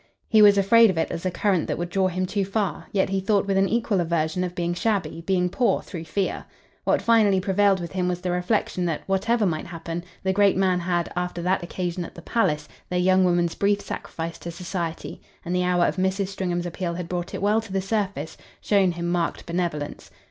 He was afraid of it as a current that would draw him too far; yet he thought with an equal aversion of being shabby, being poor, through fear. What finally prevailed with him was the reflexion that, whatever might happen, the great man had, after that occasion at the palace, their young woman's brief sacrifice to society and the hour of Mrs. Stringham's appeal had brought it well to the surface shown him marked benevolence.